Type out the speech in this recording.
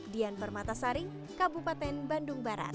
dian permatasari kabupaten bandung barat